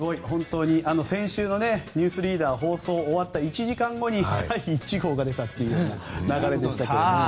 先週の「ニュースリーダー」放送が終わった１時間後に第１号が出たという流れでしたけどもね。